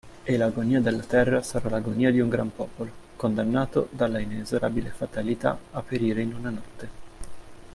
E l'agonia della terra sarà l'agonia di un gran popolo, condannato dalla inesorabile fatalità a perire in una notte!